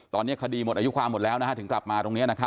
ตอนนี้คดีหมดอายุความหมดแล้วถึงกลับมาตรงนี้